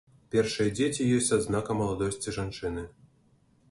Першыя дзеці ёсць адзнака маладосці жанчыны.